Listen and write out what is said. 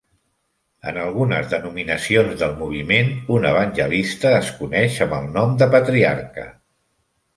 En algunes denominacions del moviment, un evangelista es coneix amb el nom de patriarca.